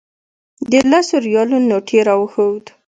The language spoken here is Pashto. د لسو ریالو نوټ یې راښود.